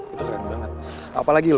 itu keren banget